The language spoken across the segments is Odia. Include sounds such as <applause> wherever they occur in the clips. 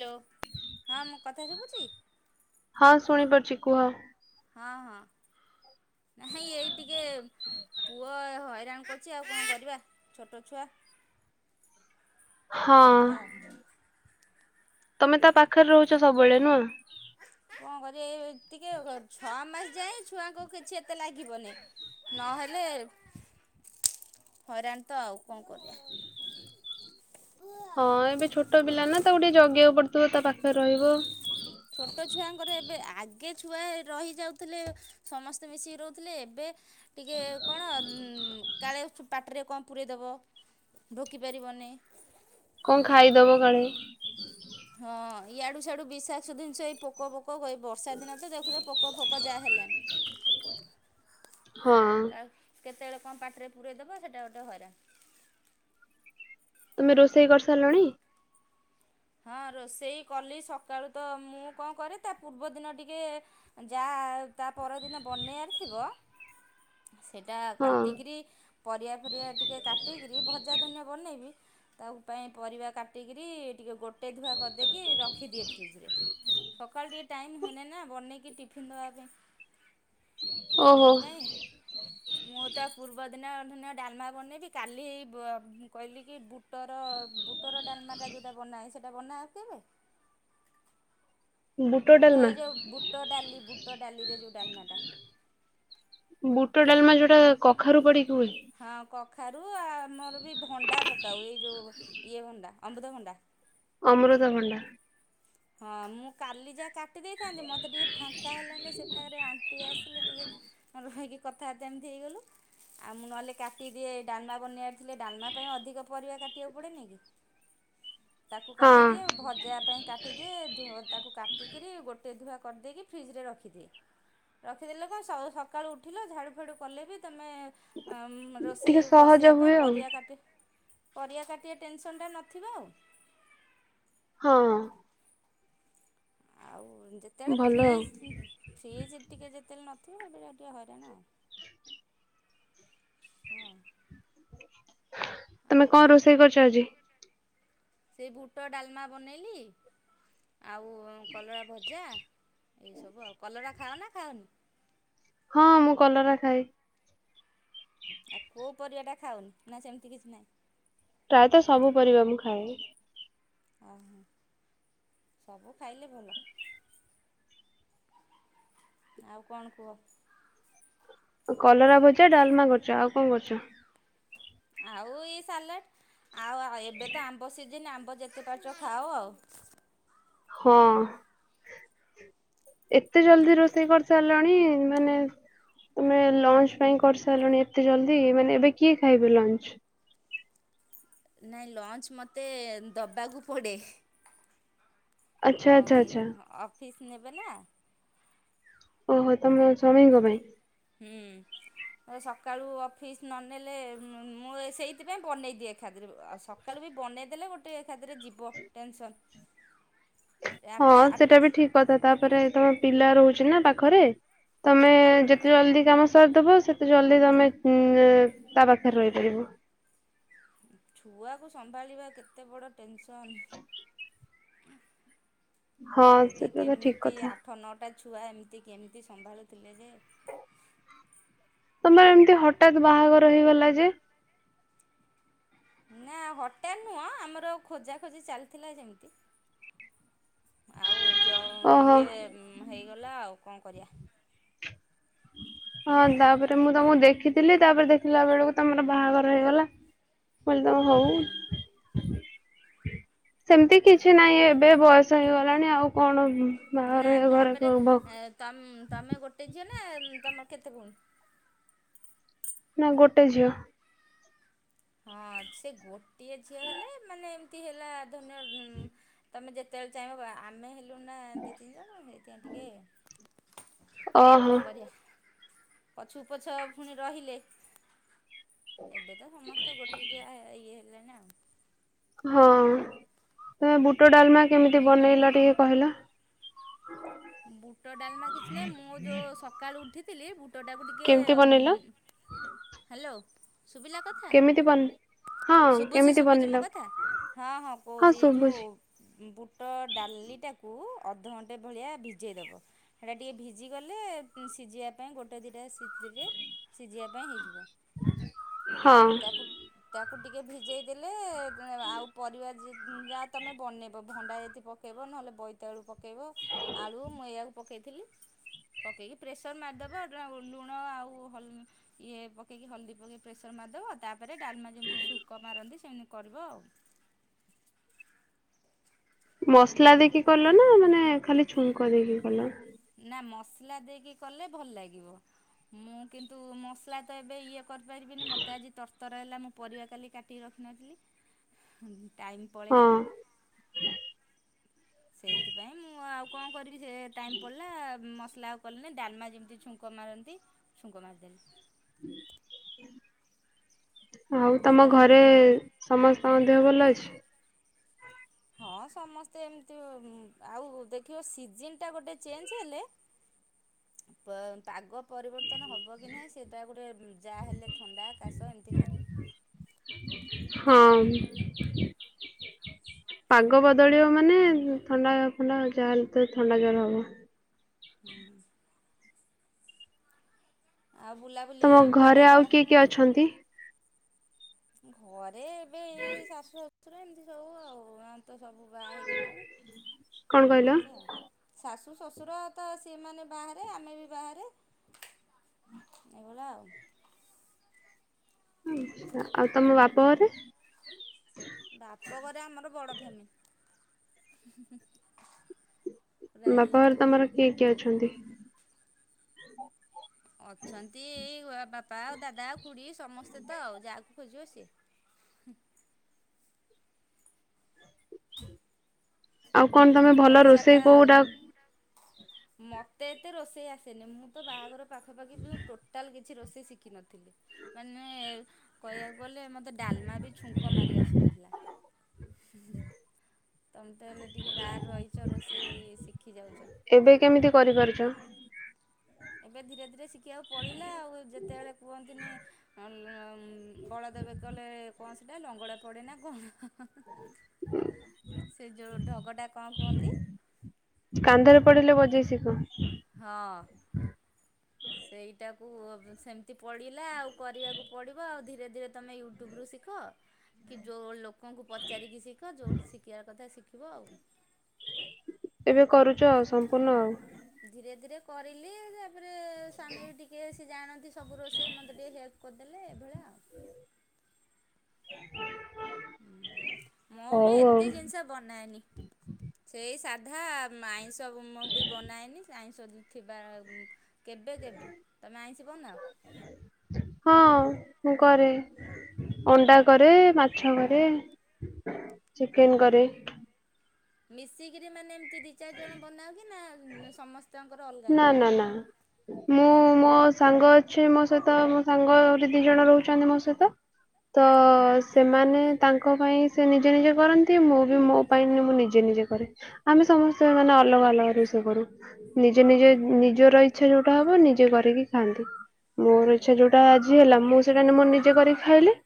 ହାଲୋ ହଁ ମୁଁ କଥା ଶୁବୁଛି? ହଁ ଶୁଣିପାରୁଛି କୁହ? ହଁ ହଁ ନାଇଁ ଏଇ ଟିକେ ପୁଅ ହଇରାଣ କରୁଛି ଆଉ କଣ କରିବା ଛୋଟ ଛୁଆ। ହଁ <unintelligible> ତମେ ତା ପାଖରେ ରହୁଛ ସବୁବେଳେ ନୁହଁ। କଣ କରିବ ଟିକେ ଛଅ ମାସ ଯାଏ ଛୁଆଙ୍କୁ କିଛି ଏତେ ଲାଗିବନି। ନହେଲେ ହଇରାଣ ତ ଆଉ କଣ କରିବା। ହଁ ଏବେ ଛୋଟ ପିଲା ନା ତାକୁ ଟିକେ ଜଗିବାକୁ ପଡୁଥିବ ତା ପାଖରେ ରହିବ। ଛୋଟ ଛୁଆଙ୍କର ଏବେ ଆଗେ ଛୁଆ ରହିଯାଉଥିଲେ ସମସ୍ତେ ମିଶିକି ରହୁଥିଲେ ଏବେ ଟିକେ କଣ କାଳେ ପାଟିରେ କଣ ପୂରେଇଦବ। ଢୋକି ପାରିବନି। କଣ ଖାଇଦେବ କାଳେ। ହଁ ଇଆଡୁ ସିଆଡୁ ବିଷାକ୍ତ ଜିନିଷ ଏଇ ପୋକ ପୋକ ଏଇ ବର୍ଷା ଦିନ ତ ଦେଖୁଛ ପୋକ ଫୋକ ଯାହା ହେଲେଣି। ହଁ କ କେତେବେଳେ କଣ ପାଟିରେ ପୁରେଇଦବା ସେଇଟା ଗୋଟେ ହଇରାଣ। ତୁମେ ରୋଷେଇ କରିସାରିଲଣି? ହଁ ରୋଷେଇ କଲି ସକାଳୁ ତ ମୁଁ କଣ କରେ ତା ପୂର୍ବଦିନ ଟିକେ ଯାହା ତା ପରଦିନ ବନେଇବାର ଥିବ ସେଇଟା ହଁ କାଟିକିରି ପରିବା ଫରିବା ଟିକେ କାଟିକିରି ଭଜା ଧନିଆ ବନେଇବି ତାକୁ ପାଇଁ ପରିବା କାଟିକିରି ଟିକେ ଗୋଟେ ଧୁଆ କରିଦେଇକି ରଖିଦିଏ ଫ୍ରିଜରେ। ସକାଳୁ ଟିକେ ଟାଇମ ହେନେ ନା ବନେଇକି ଟିଫିନ ଦବା ପାଇଁ ହଁ ହେଇଥିପାଇଁ ମୁଁ ତା ପୂର୍ବ ଦିନ ଦିନ ଡାଲମା ବନେଇବି କାଲି ବ କହିଲି କି ବୁ ବୁଟର ବୁଟର ଡାଲମାଟା ଯେଉଁଟା ବନାଏ ସେଇଟା ବନାଅ କେବେ? ବୁଟ ଏଇ ଯେଉଁ ବୁଟ ଡାଲି ବୁଟ ଡାଲିରେ ଯେଉଁ ଡାଲମାଟା। ବୁଟ ଡାଲମା ଯୋଉଟା କଖାରୁ ପଡିକି ହୁଏ। ହଁ କଖାରୁ ଆ ଆମର ବି ଭଣ୍ଡା ପକାଉ ଏଇ ଯେଉଁ ଇଏ ଭଣ୍ଡା ଅମୃତଭଣ୍ଡା। ଅମୃତଭଣ୍ଡା। ହଁ ମୁଁ କାଲି ଯାହା କାଟି ଦେଇଥାନ୍ତି ମୋତେ ଟିକେ ଫାଙ୍କା ହେଲାନି ସେ ଫେରେ ଆଣ୍ଟି ଆସିଲେ ଟିକେ ରହିକି କଥାବାର୍ତ୍ତା ଏମିତି ହେଇଗଲୁ। ଆଉ ମୁଁ ନହେଲେ କାଟିଦିଏ ଡାଲମା ବନେଇବାର ଥିଲେ ଡାଲମା ପାଇଁ ଅଧିକ ପରିବା କାଟିବାକୁ ପଡ଼େନି କି। <unintelligible> ତାକୁ ହଁ କାଟିଦିଏ ଭଜା ପାଇଁ କାଟିଦିଏ ଧ ତାକୁ କାଟିକିରି ଗୋଟିଏ ଧୂଆ କରିଦେଇକି ଫ୍ରିଜରେ ରଖିଦିଏ। ରଖିଦେଲେ କ ସ ସକାଳୁ ଉଠିଲ ଝାଡ଼ୁ ଫାଡ଼ୁ କଲେ ବି ତମେ ଟିକେ ରୋଷେଇ ସହଜ ବସେଇବା ହୁଏ ପାଇଁ ଆଉ ପରିବା କାଟି ପରିବା କାଟିବା ଟେନସନ୍ଟା ନଥିବ ଆଉ। ହଁ। ଆଉ ଯେତେବେଳେ ଭଲ ଆଉ ଫ୍ରିଜ୍ ଫ୍ରିଜ୍ ଟିକେ ଯେତେବେଳେ ନଥିବ ହେବେଳିଆ ଟିକେ ହଇରାଣ ଆଉ। ହଁ। ତମେ ଆଉ କଣ ରୋଷେଇ କରିଛ ଆଜି? ସେଇ ବୁଟ ଡାଲମା ବନେଇଲି ଆଉ କଲରା ଭଜା ଏଇସବୁ ଆଉ କଲରା ଖାଅ ନା ଖାଅନି? ହଁ ମୁଁ କଲରା ଖାଏ। ଆଉ କୋଉ ପରିବାଟା ଖାଅନି ନା ସେମିତି କିଛି ନାହିଁ? ପ୍ରାୟତଃ ସବୁ ପରିବା ମୁଁ ଖାଏ। ଓ ହ ସବୁ ଖାଇଲେ ଭଲ। ଆଉ କଣ କୁହ। କଲରା ଭଜା ଡାଲମା କରିଛ ଆଉ କଣ କରିଛ? ଆଉ ଏଇ ସାଲାଡ଼ ଆଉ ଏବେ ତ ଆମ୍ବ ସିଜନ୍ ଆମ୍ବ ଯେତେ ପାରୁଛ ଖାଅ ଆଉ। ହଁ ଏତେ ଜଲ୍ଦୀ ରୋଷେଇ କରି ସାରିଲଣି ମାନେ ତମେ ଲଞ୍ଚ ପାଇଁ କରିସାରିଲଣି ଏତେ ଜଲଦି ମାନେ ଏବେ କିଏ ଖାଇବ ଲଞ୍ଚ? ନାଇଁ ଲଞ୍ଚ ମୋତେ ଦବାକୁ ପଡ଼େ। ଆଚ୍ଛା ଆଚ୍ଛା ଆଉ ଆଚ୍ଛା ଉଁ ଅଫିସ୍ ନେବେ ନା। ଓହୋ ତମ ସ୍ୱାମୀଙ୍କ ପାଇଁ। ହୁଁ ଏ ସକାଳୁ ଅଫିସ୍ ନନେଲେ ମୁଁ ସେଇଥିପାଇଁ ବନେଇ ଦିଏ ଏକାଥରେ ଆଉ ସ କାଳୁ ବି ବନେଇ ଦେଲେ ଗୋଟେ ଏକାଥରେ ଯିବ ଟେନସନ୍। ହଁ ଆଠଟା ଆଠ ସେଟା ବି ଠିକ୍ କଥା ତାପରେ ତମ ପିଲା ରହୁଚି ନା ପାଖରେ। ତମେ ଯେତେ ଜଲଦି କାମ ଆନସାର୍ <unintelligible> ଦବ ସେତେ ଜଲଦି ତମେ ଉଁ ତା ପାଖରେ ରହିପାରିବ। ଛୁଆକୁ ସମ୍ଭାଳିବା କେତେ ବଡ ଟେନସନ୍। ହଁ ଆଗେ ସେଟା ତ ଠିକ କେମିତି କଥା ଆଠ ନଅଟା ଛୁଆ ଏମିତି କେମିତି ସମ୍ଭାଳୁଥିଲେ ଯେ। ତମର ଏମତି ହଠାତ୍ ବାହାଘର ହେଇଗଲା ଯେ? ନା ହଟାତ୍ ନୁହଁ ଆମର ଖୋଜା ଖୋଜି ଚାଲିଥିଲା ଯେମିତି। ଆଉ ଜ ଓହୋ। ଇଏ ହେଇଗଲା ଆଉ କଣ କରିବା। ହଁ ତାପରେ ମୁଁ ତମକୁ ଦେଖିଥିଲି ତାପରେ ଦେଖିଲା ବେଳକୁ ତମର ବାହାଘର ହେଇଗଲା। ମୁଁ କହିଲି ତମର ହୋଉ। ହୁଁ ସେମିତି କିଛି ନାହିଁ ଏବେ ବୟସ ହେଇଗଲାଣି ଆଉ କଣ ବାଘଘର <unintelligible> ତମ୍ ତମେ ଗୋଟେ ଝିଅନା ତମର କେତେ ଭୋଉଣି? ମୁଁ ଗୋଟେ ଝିଅ। ହଁ ସେ ଗୋଟିଏ ଝିଅ ହେଲେ ମାନେ ଏମିତି ହେଲା ଧରିନିଅ ତମେ ଯେତେବେଳେ ଚାହିଁବ ବା ଆମେ ହେ ନା ଦି ତିନି ଜଣ ହେଇଥିପାଇଁ ଟିକେ ଓହୋ କଣ କରିବା। ପଛକୁ ପଛ ଫୁଣି ରହିଲେ ଏବେ ତ ସମ ସ୍ତେ ଗୋଟିକିଆ ଇଏ ହେଲେନା। ହଁ ତମେ ବୁଟ ଡାଲମା କେମିତି ବନେଇଲା ଟିକେ କହିଲ? ବୁଟ ଡାଲମା କିଛି ନାହିଁ ମୁଁ ଯୋଉ ସକାଳୁ ଉଠିଥିଲି ବୁଟଟାକୁ ଟିକେ କେମିତି ଉଁ ବନେଇଲ? ହାଲୋ ସୁବିଲା କଥା? କେମିତି ବନେ ହଁ ଶୁବୁଚି କେମିତି ଶୁବୁଚି ବନେଇଲ? ମୋ କଥା ହଁ ହଁ କୋହୁଚି ଇଏ ଯୋଉ ବୁଟ ଡାଲିଟାକୁ ଅଧଘଣ୍ଟେ ଭଳିଆ ଭିଜେଇଦବ। ସେଟା ଟିକେ ଭିଜିଗଲେ ସିଜିବା ପାଇଁ ଗୋଟେ ଦିଇଟା ସିଟି ସିଜିବା ପାଇଁ ହେଇଯିବ। ହଁ <unintelligible> ତାକୁ ତାକୁ ଟିକେ ଭିଜେଇ ଦେଲେ ଆଉ ପରିବା ଯା <unintelligible> ଯାଆ ତମେ ବନେଇବ ଭଣ୍ଡା ଯଦି ପ ପକେଇବ ନହେଲେ ବୋଇତାଳୁ ପକେଜଇବ ଆଳୁ ମୁଁ ଏଇଆକୁ ପକେଇଥିଲି। ପକେଇକି ପ୍ରେସର ମାରିଦବ ଡ୍ରାଉ ଲୁଣ ଆଉ ହଲ୍ ଇଏ ପକେଇକି ହଳଦୀ ପକେଇ ପ୍ରେସର ମାରଦବ ତାପରେ ଡାଲମା ଯେମିତି ଛୁଙ୍କ ମାରନ୍ତି ସେମିତି କରିବ ଆଉ। ମସଲା ଦେଇକି କଲ ନା ମାନେ ଖାଲି ଛୁଙ୍କ ଦେଇକି କଲ? ନା ମସଲା ଦେଇକି କଲେ ଭଲ ଲାଗିବ। ମୁଁ କିନ୍ତୁ ମସଲା ତ ଏବେ ଇଏ କରିପାରିବିନି ମୋତେ ଆଜି ତରତର ହେଲା ମୁଁ ପରିବା କାଲି କାଟିକି ରଖିିନଥିଲି। ହଁ <inaudible> ହୁଁ ହୁଁ ଟାଇମ୍ ପଳେଇଲା। ସେଇଥିପାଇଁ ମୁଁ ଆଉ କଣ କରିବି ସେ ଟାଇମ୍ ପଳିଲା ମସଲା ଆଉ କଲି ନାଇଁ ଡାଲମା ଯେମିତି ଛୁ ଙ୍କ ମାରନ୍ତି ଛୁଙ୍କ ମାରିଦେଲି। ଆଉ ତମ ଘରେ ସମସ୍ତଙ୍କ ଦେହ ଭଲ ଅଛି? ହଁ ସମସ୍ତେ ଏମତି ଓ ଉଁ ଦେଖିବ ସିଜନଟା ଗୋଟେ ଚେଞ୍ଚ ହେଲେ ପ ପାଗ ପରିବର୍ତ୍ତନ ହବ କି ନାହିଁ ସେଇଟା ଗୋଟେ ଉଁ ଯାହା ହେଲେ ଥଣ୍ଡା କାଶ ଏମତି ଭାରିବା। ହଁ। ପାଗ ବଦଳିବ ମାନେ ଉଁ ଥଣ୍ଡା ଫଣ୍ଡା ଯାହା ହେଲେ ତ ଥଣ୍ଡା ଜର ହବ। ହୁଁ। ଆଉ ବୁଲା ତମ ଘରେ ଆଉ କିଏ କିଏ ଅଛନ୍ତି? ଘରେ ଏବେ ଏଇ ଶାଶୁ ଶୁର ଏମତି ସବୁ ଆଉ ଆଉଁ ତ ସବୁ ବାହା ହେଇଗଲେଣି କଣ କହିଲ? ହେନ୍ତି ଆ ଶାଶୁ ଶଶୁର ତ ସେମାନେ ବାହାରେ ଆମେ ବି ବାହାରେ। ଏଇଭଳିଆ ଆଉ। ଆଁଛା ଆଉ ତମ ବାପ ଘରେ। ବାପ ଘରେ ଆମର ବଡ ଫ୍ୟାମି ହୁଁ ହୁଁ ହୁଁ। ବାପ ଘରେ ତମର କିଏ କିଏ ଅଛନ୍ତି? ଅଛନ୍ତି ଏଇ <unintelligible> ବାପା ଦାଦା ଖୁଡି ସମସ୍ତେ ତ ଆଉ ଯାହାକୁ ଖୋଜିବ ସିଏ। ଆଉ କଣ ତମେ ଭଲ ରୋଷେଇ କୋଉ ଗୋଟା ମତେ ଏତେ ରୋଷେଇ ଆସେନି ମୁଁ ତ ବାହାଘର ପାଖାପାଖି ବି ଟୋଟାଲ କିଛି ରୋଷେଇ ଶିଖିନଥିଲି। ମାନେ କହିଆକୁ ଗଲେ ମତେ ଡାଲମା ବି ଛୁଙ୍କ ମାରି ଆସୁନଥିଲା। ହୁଁ ହୁଁ ତମେ ତ ହେଲେ ଟିକେ ବାହାରେ ରହିଚ ରୋଷେଇ ଶିଖିଯାଉଚ। ଏବେ କେମିତି କରିପାରୁଛ। ଏବେ ଧୀରେ ଧୀରେ ଶିଖିଆକୁ ପଡିଲା ଆଉ ଯେତେବେଳେ କୁହନ୍ତିନି ଆ ଉଁ ଉଁ ବଳଦ ବେକଲେ କଁ ସେଟା ଲଙ୍ଗଳା ପଡେ ନା କଣ ସେ ଯୋଉ ଢଗଟା କଁ କୁହନ୍ତି। କାନ୍ଧେରେ ପଡିଲେ ବଜେଇ ଶିଖ। ଏ ହଁ। ସେଇଟାକୁ ସେମତି ପଡିଲା ଆଉ କରିଆକୁ ପଡିବ ଆଉ ଧୀରେ ଧୀରେ ତମେ ୟୁ ଟୁବୁରୁ ଶିଖ କି ଯୋଉ ଲୋକଙ୍କୁ ପଚାରିକି ଶିଖ ଯୋଉଠି ଶିକିଆର କଥା ଶିଖିବ ଆଉ। ଏବେ କରୁଚ ଆଉ ସମ୍ପୂର୍ଣ୍ଣ ଆଉ। ଧୀରେ ଧୀରେ କରିଲି ତାପରେ ସ୍ୱାମୀ ବି ଟିକେ ସିଏ ଜାଣନ୍ତି ସବୁ ରୋଷେଇ ମୋତେ ଟିକେ ହେଲ୍ପ କରିଦେଲେ ଏଭଳିଆ ଆଉ। ହୁଁ ମୁଁ ବି ହଉ ଆଉ। ଏତେ ଜିନିଷ ବନାଏନି। ସେଇ ସାଧା ଉଁ ଆଇଁଷ ମୁଁ ବି ବନାଏନି ସେ ଆଇଁଷ ଉଁ ଥିବା ଉଁ କେବେ କେବେ ତମେ ଆଇଁଷି ବନାଅ। ହଁ ମୁଁ କରେ। ଅଣ୍ଡା କରେ ମାଛ କରେ ଚିକେନ ହୁଁ। କରେ। ମିଶିକିରି ମାନେ ଏମତି ଦି ଚାରି ଜଣ ବନାଅ କି ନା ଉଁ ସମସ୍ତଙ୍କ ନା ନା ନା। ମୁଁ ମୋ ସାଙ୍ଗ ଅଛି ମୋ ସହିତ ମୋ ସାଙ୍ଗ ଆହୁରି ଦି ଜଣ ରହୁଛନ୍ତି ମୋ ସହିତ। ତ ହଁ। ସେମାନେ ତାଙ୍କ ପାଇଁ ସେ ନିଜେ ନିଜେ କରନ୍ତି ମୁଁ ବି ମୋ ପାଇଁନି ମୁଁ ନିଜେ ନିଜେ କରେ। ଆମେ ସମସ୍ତେ ମାନେ ଅଲଗା ଅଲଗା ରୋଷେଇ କରୁ। ନିଜେ ନିଜେ ନିଜର ଇଚ୍ଛା ଯୋଉଟା ହବ ନିଜେ କରିକି ଖାଆନ୍ତି। ମୋର ଇଚ୍ଛା ଯୋଉଟା ଆଜି ହେଲା ମୁଁ ସେଇଟା ଏଇନେ ମୋ ନିଜେ କରିକି ଖାଇଲି।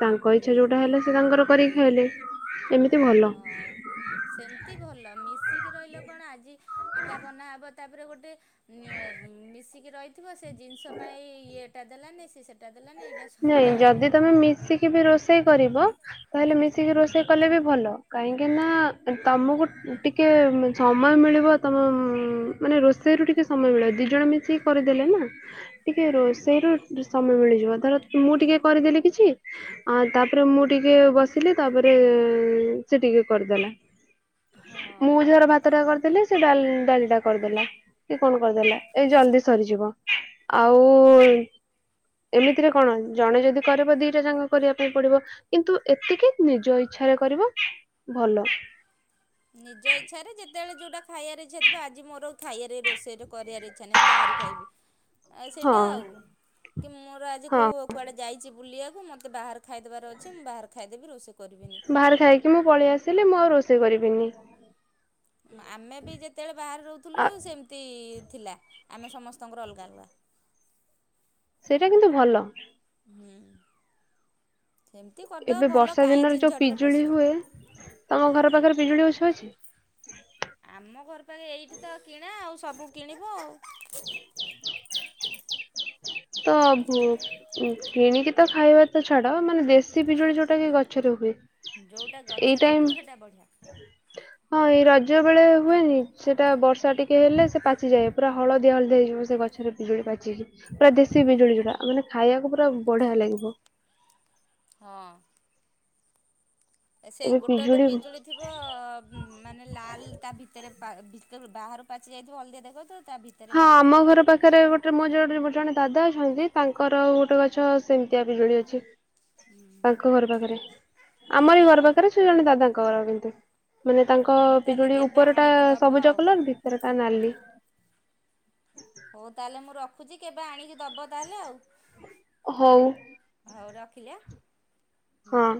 ତାଙ୍କ ଇଚ୍ଛା ହୁଁ। ଯୋଉଟା ହେଲେ ସେ ତାଙ୍କର କରିକି ହେଲେ ଏମିତି ଭଲ। ହଁ ସେମିତି ଭଲ ମିଶିକି ରହିଲେ କଣ ଆଜି ଏଟା ବନାହବ। ତାପରେ ଗୋଟେ ମିଶିକି ରହିଥିବ ସେ ଜିନିଷ ପାଇଁ ଇଏ ଟେଲା ନେ ସେ ସେଟାେଲ ନ ନେଇଇ ନାଇଁ ଯଦି ତମେ ମିଶିକି ବି ରୋଷେଇ କରିବ। ତାହେଲେ ମିଶିକି ରୋଷେଇ କଲେ ବି ଭଲ କାହିଁକି ନା ତମକୁ ଟିକେ ଟିକେ ସମୟ ମିଳିବ ତମ ମାନେ ରୋଷେଇରୁ ଟିକେ ସମୟ ମିଳିବ ଦି ଜଣ ମିଶିକି କରିଦେଲେ ନା। ଟିକେ ରୋ ସେଇ ର ସମୟ ମିଳିଯିବ ଧର ମୁଁ ଟିକେ କରିଦେଲି କିଛି। ଆ ତାପରେ ମୁଁ ଟିକେ ବସିଲି ତାପରେ ସେ ଟିକେ କରିଦେଲା। ହଁ। ମୁଁ ଝର ଭାତ ଟା କରିଦେଲି ସେ ଡା ଡାଲି ଟା କରିଦେଲା। କି କଣ କରିଦେଲା ଏ ଜଲଦି ସରିଯିବ ଆଉ ଏମିତିରେ କଣ ଜଣେ ଯଦି କରରେିବ ଦିଇଟା ଯାକ କରିବା ପାଇଁ ପଡିବ। କିନ୍ତୁ ଏତିକି ନିଜ ଇଚଛାରେ କରିବା ଭଲ। ନିଜ ଇଚଛାରେ ଯେତେବେଳେ ଯୋଉଟା ଖାଇବ ଇଛାଥିବ ଆଜି ମୋର ଖାଇବାରେ ରୋଷେଇରେ କରିବାରେ ଇଚ୍ଛା ନାହିଁ ମୁଁ ବାହାରୁ ଖାଇବି ଆଉ ହଁ ସେଇଟା ଆଉ। କି ମୋର ଆଜି ହଁ କେଉଁ କୁଆଡ଼େ ଯାଇଛି ବୁଲିବାକୁ ମୋତେ ବାହାର ଖାଇଦେବାର ଅଛି ମୁଁ ବାହାରାରେ ଖାଇଦେବି ରୋଷେଇ କରିବିନି। ବାହାରାରେ ଖାଇକି ମୁଁ ପଳେଇ ଆସିଲି ମୁଁ ଆଉ ରୋଷେଇ କରିବିନି। ଆମେ ବି ଯେତେବେଳେ ବାହାରେ ରହୁଥିଲୁ ଆ ସେମିତି ଥିଲା ଆମେ ସମସ୍ତଙ୍କର ଅଲଗା ଅଲଗା। ସେଇଟା କିନ୍ତୁ ଭଲ। ହୁଁ ସେମିତି ଏବେ କରିଦବ ଭଲ ବର୍ଷା କାହିଁ ଝିିନଝଟ ରେ ପଶିବ। ତୁମ ଘର ପାଖରେ ପିଜୁଳି ଗଛ ଅଛି। ଆମ ଘର ପାଖରେ ଏଇଠି ତ କିଣା ଆଉ ସବୁ କିଣିବ ଆଉ। ହ <unintelligible> ତ ବୁ କିଣିକି ତ ଖାଇବା ତ ଛାଡ ମାନେ ଦେଶୀ ବିଜୁଳି ଯୋଉଟା କି ଗଛରେ ହୁଏ। ଯେଉଁଟା ଗଛ ଏଇ ଟାଇମ ରହୁଥିବ ସେଇଟା ବଢ଼ିଆ। ହଁ ଏଇ ରଜ ବେଳେ ହୁଏନି ସେଟା ବର୍ଷା ଟିକେ ହେଲେ ସେ ପାଚିଯାଏ ପୁରା ହଳଦୀ ହଳଦି ହେଇଯିବ ସେ ଗଛ। ଗଛରେ ବିଜୁଳି ପାଚିକି ପୁରା ଦେଶୀ ବିଜୁଳି ଯୋଡା ମାନେ ଖାଇବାକୁ ପୁରା ବଢିଆ ଲାଗିବ। ହଁ। ସେ ଏବେ ଗୋଟେ ଗୋଟେ ହଁ ପିଜୁଳି ଥିବ ମାନେ ଲାଲ ତା ଭିତରେ ଭିତ ବାହାରୁ ପାଚି ଯାଇଥିବ ହଳଦିଆ ଦେଖନ୍ତୁ ତା ଭିତ ହଁ ଆମ ଘର ପାଖରେ ରେ ଗୋଟେ ମୋ ଯୋଉ ଗୋଟେ ଜଣେ ଦାଦା ଅଛନ୍ତି ତାଙ୍କର ଗୋଟେ ଗଛ ସେମିତିଆ ବିଜୁଳି ଅଛି। ତାଙ୍କ ଘର ପାଖରେ ଆମର ଘର ହଉ ପାଖରେ ସେ ଜଣେ ଦାଦାଙ୍କ ଘର କେମତି ମାନେ ତାଙ୍କ ହଉ ତାହେଲେ ପିଜୁଳି କେବେ ଉପର ଟା ଆଣିକି ଦବ ସବୁଜ ଆଉ କଲର ଭିତରେ ତା ନାଲି। ହଉ ତାହେଲେ ମୁଁ ରଖୁଛି କେବେ ଆଣିକି ଦବ ତାହେଲେ ଆଉ। ହଉ। ହଉ ରଖିଲି। ହୁଁ। ହଁ।